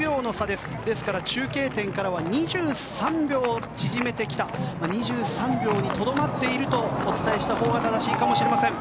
ですから、中継点からは２３秒縮めてきた２３秒にとどまっているとお伝えしたほうが正しいかもしれません。